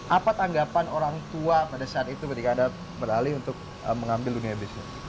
apa tanggapan orang tua pada saat itu ketika anda beralih untuk mengambil dunia bisnis